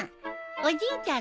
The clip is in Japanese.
おじいちゃん